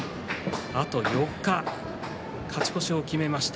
あと４日勝ち越しを決めました。